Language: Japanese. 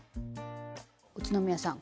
宇都宮さん